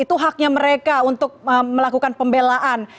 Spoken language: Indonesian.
itu haknya mereka untuk melakukan pembelaan